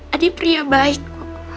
adi pria baik